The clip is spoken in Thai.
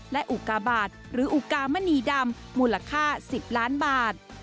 และอุกาบาทหรืออุกามณีดำมูลค่า๑๐ล้านบาท